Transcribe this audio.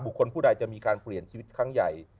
คนผู้ใดจะมีการเปลี่ยนชีวิตครั้งใหญ่